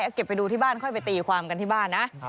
เก็บไปดูที่บ้านค่อยไปตีความกันที่บ้านนะ